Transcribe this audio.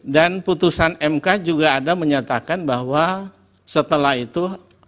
dan putusan mk juga ada menyatakan bahwa setelah itu